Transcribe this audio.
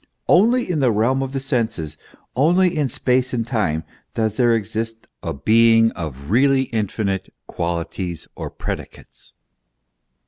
Only in the realm of the senses, only in space and time, does there exist a being of really infinite qualities or predicates.